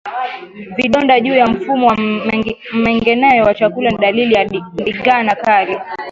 Vidonda juu ya mfumo wa mmengenyo wa chakula ni dalili ya ndigana kali